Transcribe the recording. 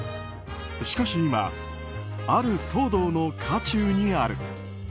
しかし今、ある騒動の渦中にある。